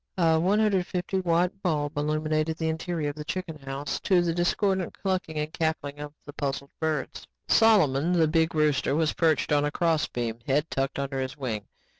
A one hundred fifty watt bulb illuminated the interior of the chicken house to the discordant clucking and cackling of the puzzled birds. Solomon, the big rooster, was perched on a crossbeam, head tucked under his wing.